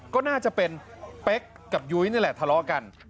ก็น่าจะเป็นเป๊กกับยุ้ยนี่แหละทะเลาะกัน